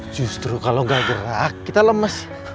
justru kalau gak gerak kita lemes